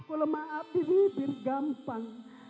kalau maaf di bibir gampang